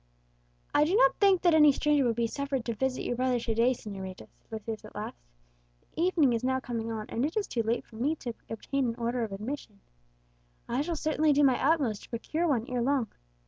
"I do not think that any stranger would be suffered to visit your brother to day, señorita," said Lucius at last; "the evening is now coming on, and it is too late for me to obtain an order of admission. I shall certainly do my utmost to procure one ere long.